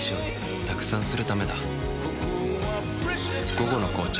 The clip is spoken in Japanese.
「午後の紅茶」